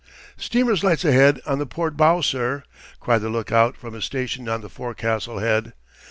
"Steamer's lights ahead on the port bow, sir!" cried the lookout from his station on the forecastle head.